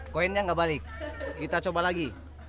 koinnya nggak balik kita coba lagi